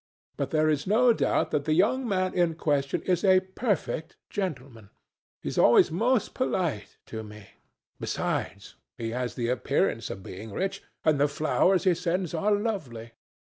But there is no doubt that the young man in question is a perfect gentleman. He is always most polite to me. Besides, he has the appearance of being rich, and the flowers he sends are lovely."